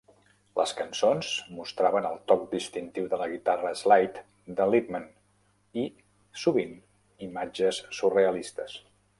Les cançons mostraven el toc distintiu de la guitarra slide de Lithman i, sovint, imatges surrealistes.